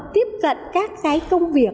tiếp cận các cái công việc